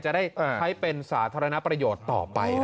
จะได้ใช้เป็นสาธารณประโยชน์ต่อไป